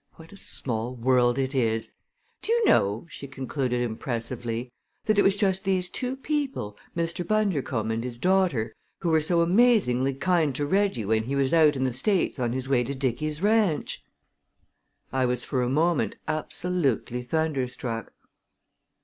What a small world it is! Do you know," she concluded impressively, "that it was just these two people, Mr. Bundercombe and his daughter, who were so amazingly kind to Reggie when he was out in the States on his way to Dicky's ranch!" I was for a moment absolutely thunderstruck.